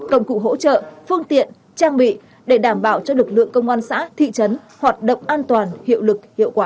công cụ hỗ trợ phương tiện trang bị để đảm bảo cho lực lượng công an xã thị trấn hoạt động an toàn hiệu lực hiệu quả